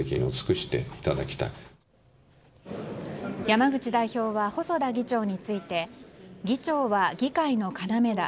山口代表は細田議長について議長は議会の要だ。